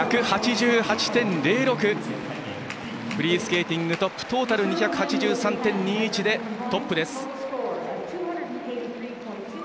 フリースケーティングトップトータル２８３．２１でトップです。